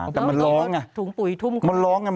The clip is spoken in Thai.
แต่มันร้องอ่ะมันร้องอ่ะ